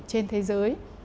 trên thế giới